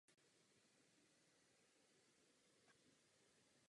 V takovém případě hovoříme o ledovce.